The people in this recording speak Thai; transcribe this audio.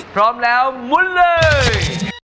พร้อมแล้วมุนเลย